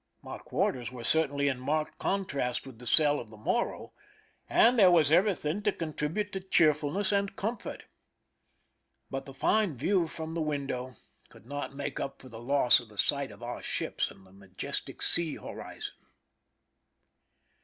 My quarters were certainly in marked contrast with the cell of the Morro, and there was every thing to contribute to cheerfulness and comfort. But the fine view from the window could not make 225 THE SINKING OF THE "MERRIMAC" up for the loss of the sight of our ships and the majestic sea horizon.